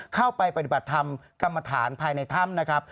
เข้าไปปฏิบัติธรรมกรรมฐานภายในถ้ำนะครับ